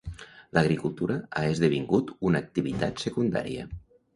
L'agricultura ha esdevingut una activitat secundària.